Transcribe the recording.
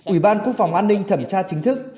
ủy ban quốc phòng an ninh thẩm tra chính thức